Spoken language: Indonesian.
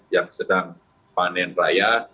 yang sedang panen raya